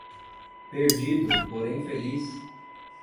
Perdido, porém feliz